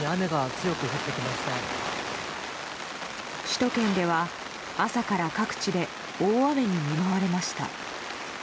首都圏では朝から各地で大雨に見舞われました。